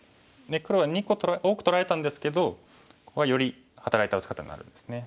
黒は２個多く取られたんですけどここがより働いた打ち方になるんですね。